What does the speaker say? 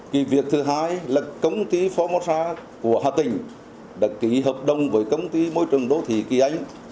kỳ việc thứ hai là công ty phomosa của hà tình đặt kỳ hợp đồng với công ty môi trường đô thị kỳ anh